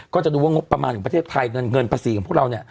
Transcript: ก็จะดูว่างบประมาณประเทศไทยเงินประสิทธิ์ของพวกเรานี่